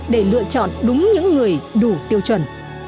để lựa chọn đúng những người đủ tiêu chuẩn